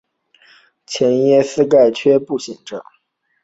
前鳃盖缺刻不显着。